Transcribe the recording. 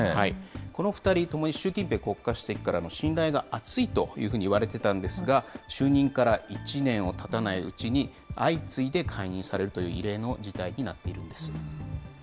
この２人ともに、習近平国家主席からの信頼が厚いというふうにいわれていたんですが、就任から１年をたたないうちに、相次いで解任されるという異例の事態になっているんです。